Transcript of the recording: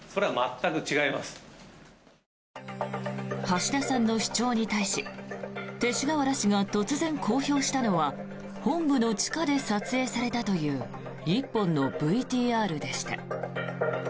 橋田さんの主張に対し勅使河原氏が突然公表したのは本部の地下で撮影されたという１本のＶＴＲでした。